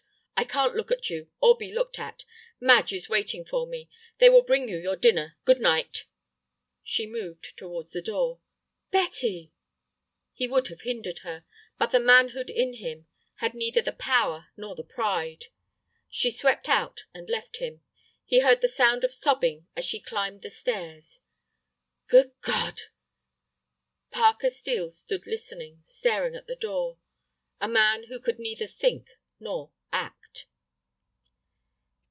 I can't look at you, or be looked at. Madge is waiting for me. They will bring you your dinner. Good night." She moved towards the door. "Betty—" He would have hindered her, but the manhood in him had neither the power nor the pride. She swept out and left him. He heard the sound of sobbing as she climbed the stairs. "Good God—!" Parker Steel stood listening, staring at the door, a man who could neither think nor act.